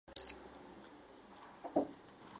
中共第十六届中央候补委员。